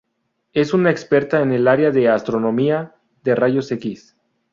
Es una experta en el área de astronomía de rayos-x.